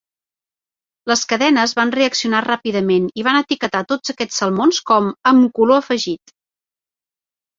Les cadenes van reaccionar ràpidament i van etiquetar tots aquests salmons com "amb color afegit".